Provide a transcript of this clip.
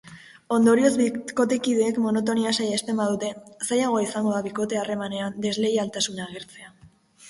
Ondorioz, bikotekideek monotonia saihesten badute, zailagoa izango da bikote-harremanean desleialtasuna agertzea.